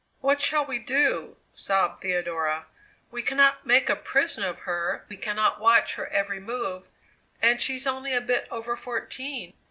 "What shall we do?" sobbed Theodora. "We cannot make a prisoner of her; we cannot watch her every move and she's only a bit over fourteen!"